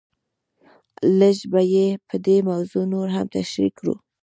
لږ به یې په دې موضوع نور هم تشریح کړو.